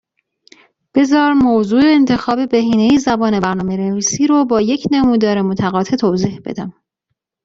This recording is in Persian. بذار موضوع انتخاب بهینه زبان برنامه نویسی رو با یک نمودار متقاطع توضیح بدم.